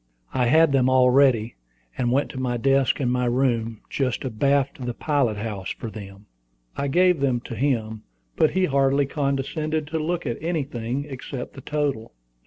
I had them all ready, and went to my desk in my room, just abaft the pilot house, for them. I gave them to him, but he hardly condescended to look at anything except the total.